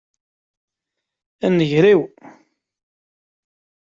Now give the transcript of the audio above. A nnger-iw!